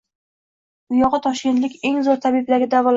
Uyog‘i toshkentlik eng zo‘r tabiblarga davolatmoqda